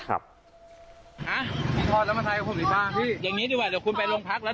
ครับทอดแล้วมาถ่ายกับผมอีกบ้างพี่อย่างนี้ดีกว่าเดี๋ยวคุณไปโรงพักแล้ว